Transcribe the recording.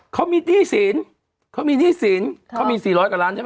เขามีหนี้สินเขามีหนี้สินเขามี๔๐๐กว่าล้านใช่ไหม